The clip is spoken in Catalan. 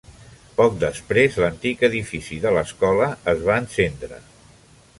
Poc després, l'antic edifici de l'escola es va encendre.